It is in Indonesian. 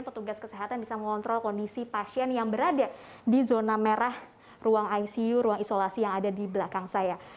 petugas kesehatan bisa mengontrol kondisi pasien yang berada di zona merah ruang icu ruang isolasi yang ada di belakang saya